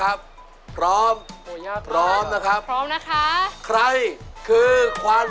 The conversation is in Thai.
แล้วก็สวยมากเหมือนกัน